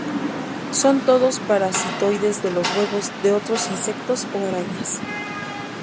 Son todos parasitoides de los huevos de otros insectos o arañas.